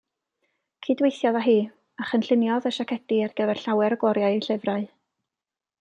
Cydweithiodd â hi a chynlluniodd y siacedi ar gyfer llawer o gloriau ei llyfrau.